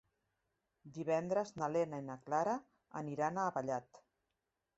Divendres na Lena i na Clara aniran a Vallat.